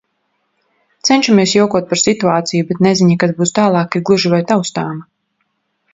Cenšamies jokot par situāciju, bet neziņa, kas būs tālāk, ir gluži vai taustāma.